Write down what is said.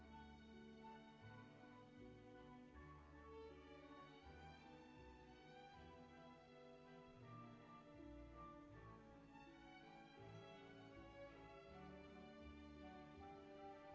dan share video ini ke tempat vadu kepada teman tempat kembali